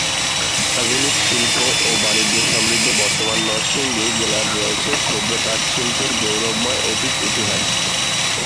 আধুনিক শিল্প ও বাণিজ্যে সমৃদ্ধ বর্তমান নরসিংদী জেলার রয়েছে ক্ষুদ্র তাঁত শিল্পের গৌরবময় অতীত ইতিহাস।